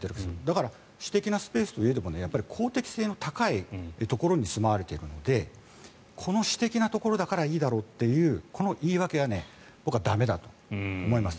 だから私的なスペースといえども公的性の高いところに住まわれているのでこの私的なところだからいいだろうというこの言い訳は僕は駄目だと思います。